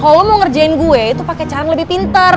kalo lu mau ngerjain gue tuh pake cara yang lebih pinter